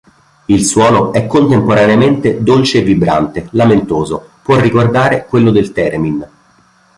Il suono è contemporaneamente dolce e vibrante, lamentoso; può ricordare quello del theremin.